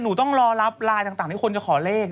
ต้องรอรับไลน์ต่างที่คนจะขอเลข